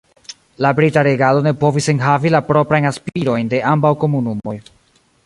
La brita regado ne povis enhavi la proprajn aspirojn de ambaŭ komunumoj.